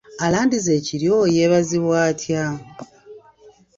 Alandiza ekiryo yeebazibwa atya?